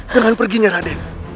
dengan perginya rajen